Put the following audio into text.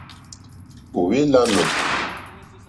Ò hwé !lánù.